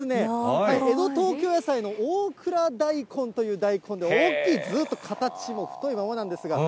葉っぱも大きい、こちらは江戸東京野菜の大蔵大根という大根で、大きい、ずーっと形も太いままなんですが。